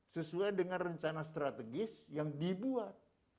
sesuai dengan rencana strategis yang dibuat